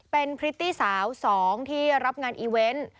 เป็นพริตตี้สาว๒ที่รับงานอีเวนต์